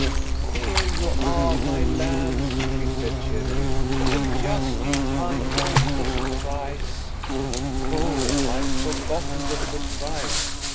"Here you are, my lambs," she said cheerily, "and just in time for the surprise." "Oh, I'd forgotten the surprise.